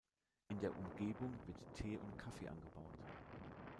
In der Umgebung wird Tee und Kaffee angebaut.